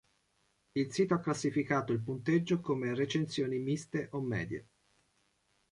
Il sito ha classificato il punteggio come "recensioni miste o medie".